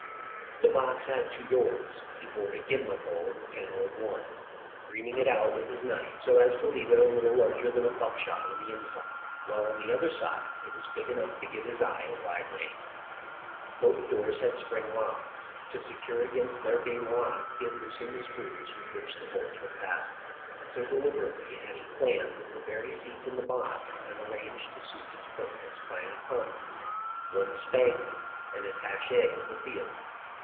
The box had two doors. He bored a gimlet hole in the panel of one, reaming it out with his knife, so as to leave it a little larger than a buckshot on the inside, while on the other side it was big enough to give his eye a wide range. Both doors had spring locks. To secure against their being locked he had loosened the screws with which the bolts were fastened. " So deliberately had he planned that the very seats in the box had been arranged to suit his purpose by an accomplice, one Spangler, an attache of the theatre.